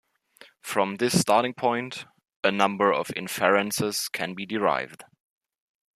From this starting point, a number of inferences can be derived.